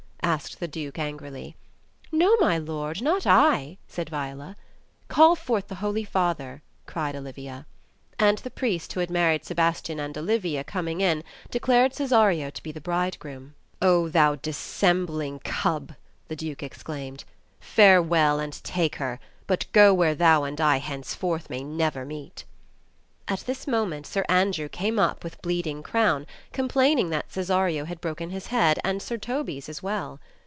asked the Duke angrily. "No, my lord, not I," said Viola. "Call forth the holy father," cried Olivia. And the priest who had married Sebastian and Olivia, coming in, declared Cesario to be the bridegroom. "O thou dissembling cub !" the Duke exclaimed. "Farewell, and take her, but go where thou and I henceforth may never meet." At this moment Sir Andrew came up with bleeding crown, com plaining that Cesario had broken his head, and Sir Toby's as well.